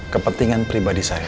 kepentingan pribadi saya